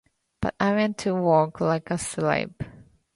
But I went to work — like a slave.